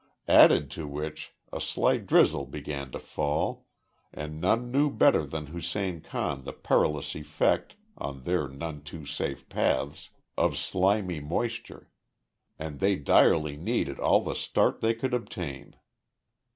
Added to which a slight drizzle began to fall, and none knew better than Hussein Khan the perilous effect, on their none too safe paths, of slimy moisture. And they direly needed all the start they could obtain.